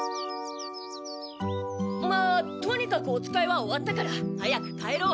まあとにかくおつかいは終わったから早く帰ろう。